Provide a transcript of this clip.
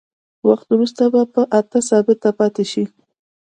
وخت وروسته په اته ثابت پاتې شي.